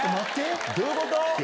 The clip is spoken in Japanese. どういうこと？